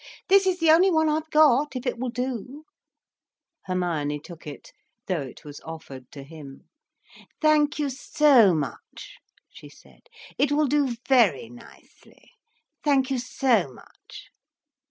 "This is the only one I've got, if it will do." Hermione took it, though it was offered to him. "Thank you so much," she said. "It will do very nicely. Thank you so much."